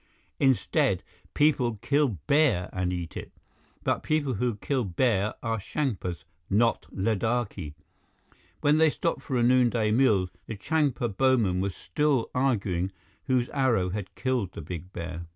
Instead, people kill bear and eat it. But people who kill bear are Changpas, not Ladakhi!" When they stopped for a noonday meal, the Changpa bowmen were still arguing whose arrow had killed the big bear.